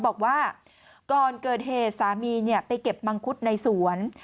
บอกว่าก่อนเกิดเหตุสามีไปเก็บมังคุดในสวน